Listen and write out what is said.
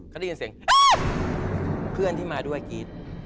เขาได้ยินเสียงอ๊า้เพื่อนที่มาด้วยคีร์ต